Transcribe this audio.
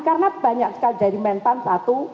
karena banyak sekali dari mentan satu